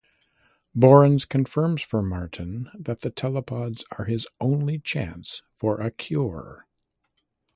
Borans confirms for Martin that the Telepods are his only chance for a cure.